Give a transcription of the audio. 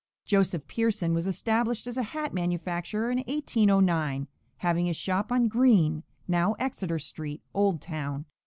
Joseph Pearson was established as a hat manufacturer in 1809, having his shop on Green, now Exeter street, Old Town.